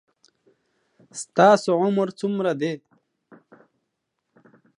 ستاسو عمر څومره ده